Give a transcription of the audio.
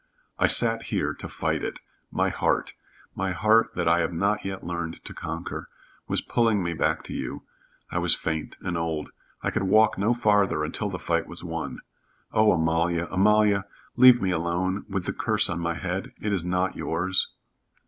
"I sat here to fight it. My heart my heart that I have not yet learned to conquer was pulling me back to you. I was faint and old. I could walk no farther until the fight was won. Oh, Amalia Amalia! Leave me alone, with the curse on my head! It is not yours."